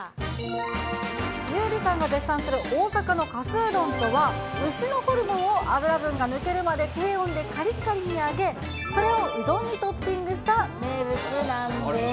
優里さんが絶賛する大阪のかすうどんとは、牛のホルモンを脂分が抜けるまで低温でかりかりに揚げ、それをうどんにトッピングした名物なんです。